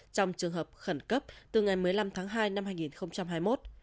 trong trường hợp khẩn cấp từ ngày một mươi năm tháng hai năm hai nghìn hai mươi một